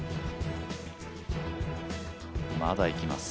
まだいきます。